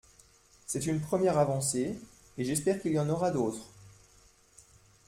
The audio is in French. C’est une première avancée, et j’espère qu’il y en aura d’autres.